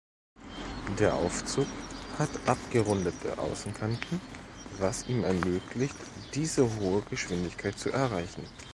Der Aufzug hat abgerundete Außenkanten, was ihm ermöglicht, diese hohe Geschwindigkeit zu erreichen.